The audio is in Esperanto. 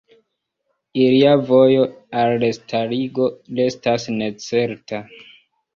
Ilia vojo al restarigo restas necerta.